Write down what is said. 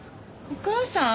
お母さん。